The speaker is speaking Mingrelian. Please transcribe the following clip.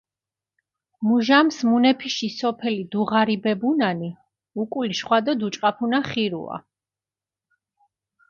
მუჟამს მუნეფიში სოფელი დუღარიბებუნანი, უკული შხვადო დუჭყაფუნა ხირუა.